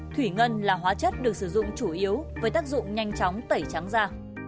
thủy ngân là hóa chất được sử dụng chủ yếu với tác dụng nhanh chóng tẩy trắng da